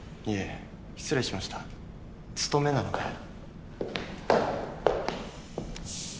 いえ失礼しましたつとめなので。